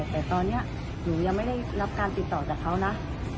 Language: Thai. แต่ตอนนี้หนูยังไม่ได้รับการติดต่อจากเขานะ